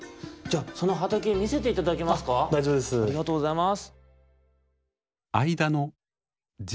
ありがとうございます。